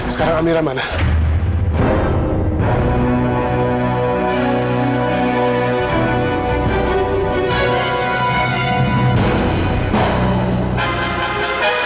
sekarang amirah mana